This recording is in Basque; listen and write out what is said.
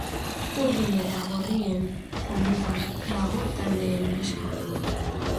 Urdin eta gorrien jomugan dago taldeen neska.